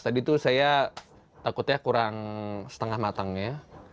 tadi tuh saya takutnya kurang setengah matangnya